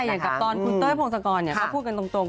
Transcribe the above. อย่างกับตอนคุณเต้ยพงศกรก็พูดกันตรง